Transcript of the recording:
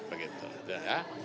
begitu ya ya